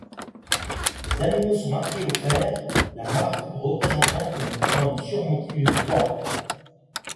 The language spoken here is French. Les animaux sont marqués au fer, la marque représentant une couronne surmontée d'une croix.